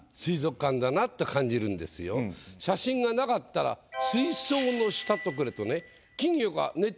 写真がなかったら「水槽の下」とくるとねああ。